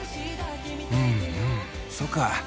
「うんうんそうか